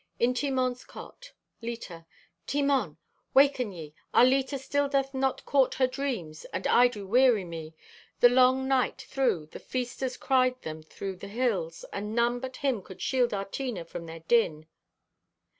(In Timon's Cot.) (Leta) "Timon, waken ye! Our Leta still doth court her dreams and I do weary me. The long night thro' the feasters cried them thro' the hills and none but Him could shield our Tina from their din.